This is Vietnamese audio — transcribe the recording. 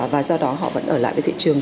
và do đó họ vẫn ở lại với thị trường